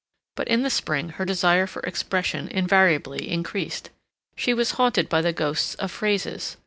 But in the spring her desire for expression invariably increased. She was haunted by the ghosts of phrases.